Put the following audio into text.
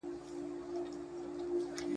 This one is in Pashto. هر سفر يوه نوې تجربه او يو نوی چلن وي.